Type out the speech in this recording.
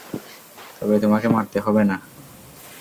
তবে তোমাকে মারতে হবে না।